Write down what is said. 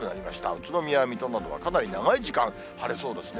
宇都宮、水戸などは、かなり長い時間、晴れそうですね。